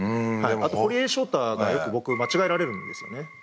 あと堀江翔太がよく僕間違えられるんですよね。